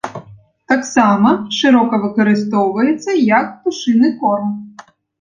Таксама шырока выкарыстоўваецца як птушыны корм.